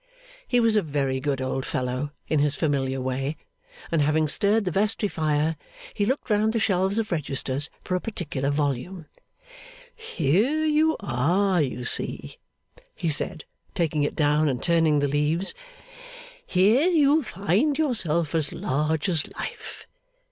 He was a very good old fellow, in his familiar way; and having stirred the vestry fire, he looked round the shelves of registers for a particular volume. 'Here you are, you see,' he said, taking it down and turning the leaves. 'Here you'll find yourself, as large as life.